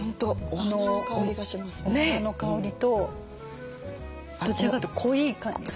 お花の香りとどちらかというと濃い感じが。